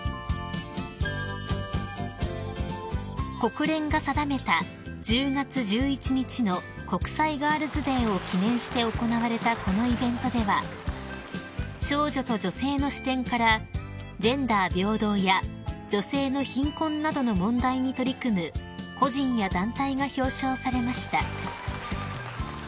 ［国連が定めた１０月１１日の国際ガールズ・デーを記念して行われたこのイベントでは少女と女性の視点からジェンダー平等や女性の貧困などの問題に取り組む個人や団体が表彰されました］